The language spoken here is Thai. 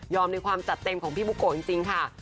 ในความจัดเต็มของพี่บุโกะจริงค่ะ